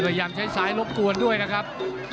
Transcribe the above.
พยายามใช้ซ้ายรบกวนด้วยนะครับ